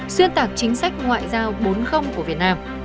xuyên tạc chính sách ngoại giao bốn của việt nam